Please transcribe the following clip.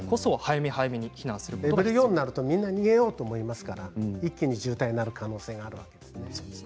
レベル４になりますとみんな逃げようとしますから一気に渋滞になる可能性があるんですね。